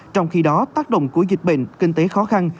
trong khi đó tác động của dịch bệnh kinh tế khó khăn